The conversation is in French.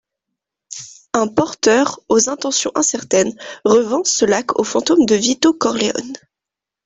Un porteur aux intentions incertaines revend ce lac au fantôme de Vito Corleone.